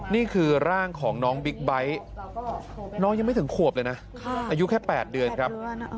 นี่คือร่างของน้องบิ๊กไบท์น้องยังไม่ถึงขวบเลยนะอายุแค่๘เดือนครับ